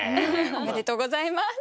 おめでとうございます。